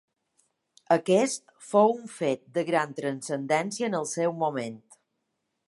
Aquest fou un fet de gran transcendència en el seu moment.